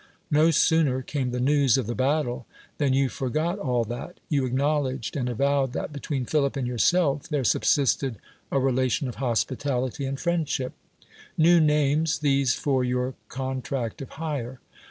Xo sooner came the news of the battle, than you forgot all that ; you acknowledge and avowed that between Philip and yourself there subsistod a relation of hospitality and friendship — new names these for your contract of hire.